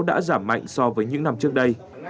đã giảm mạnh so với những năm trước đây